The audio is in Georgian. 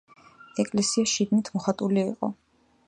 ეკლესია შიგნით მოხატული იყო.